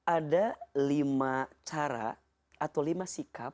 ada lima cara atau lima sikap